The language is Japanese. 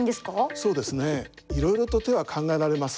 そうですねいろいろと手は考えられます。